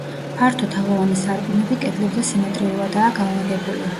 ფართო თაღოვანი სარკმლები კედლებზე სიმეტრიულადაა განლაგებული.